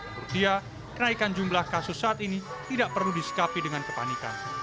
menurut dia kenaikan jumlah kasus saat ini tidak perlu disikapi dengan kepanikan